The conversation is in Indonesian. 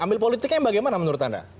ambil politiknya bagaimana menurut anda